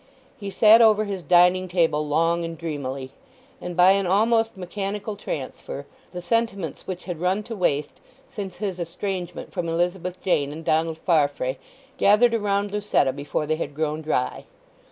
He sat over his dining table long and dreamily, and by an almost mechanical transfer the sentiments which had run to waste since his estrangement from Elizabeth Jane and Donald Farfrae gathered around Lucetta before they had grown dry.